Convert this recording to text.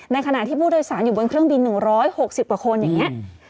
ขณะที่ผู้โดยสารอยู่บนเครื่องบิน๑๖๐กว่าคนอย่างนี้